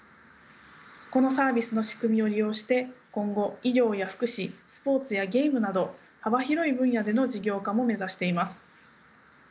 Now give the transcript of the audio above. このサービスの仕組みを利用して今後医療や福祉スポーツやゲームなど幅広い分野での事業化も目指しています。